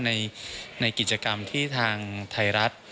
ในกิจกรรมที่ทางไทยรัฐ